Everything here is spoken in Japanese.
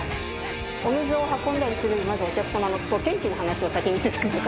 お水を運んだりするお客様と天気の話を先にしてたりとか。